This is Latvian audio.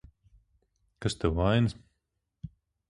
Kas tev vainas?